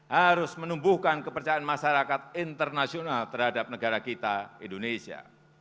harus menumbuhkan kepercayaan masyarakat internasional terhadap negara kita indonesia